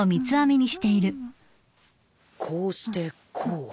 こうしてこう。